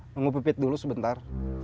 nunggu pipit dulu sebentar